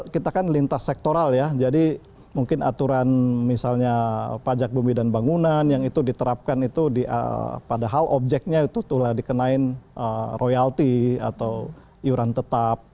kita kan lintas sektoral ya jadi mungkin aturan misalnya pajak bumi dan bangunan yang itu diterapkan itu padahal objeknya itu telah dikenain royalti atau iuran tetap